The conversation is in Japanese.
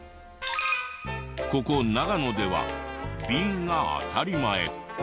ここ長野ではビンが当たり前。